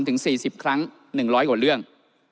ถึง๔๐ครั้ง๑๐๐กว่าเรื่อง